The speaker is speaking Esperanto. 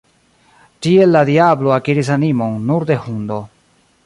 Tiel la diablo akiris animon nur de hundo.